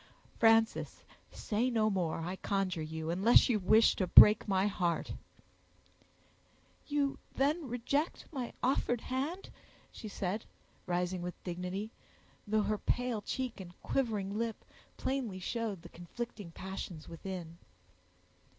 "Frances, say no more, I conjure you, unless you wish to break my heart." "You then reject my offered hand?" she said, rising with dignity, though her pale cheek and quivering lip plainly showed the conflicting passions within.